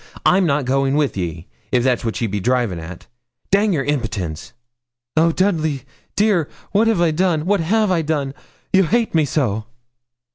I'm not goin' wi' ye, if that's what ye be drivin' at dang your impitins!' 'Oh! Dudley, dear, what have I done what have I done ye hate me so?'